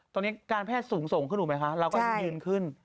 ตรงนี้การแพทย์สูงขึ้นเหรอภะเราก็ยืนขึ้น